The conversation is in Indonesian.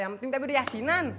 yang penting tadi udah yasinan